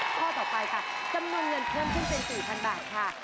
ข้อต่อไปค่ะจำนวนเงินเพิ่มขึ้นเป็น๔๐๐๐บาทค่ะ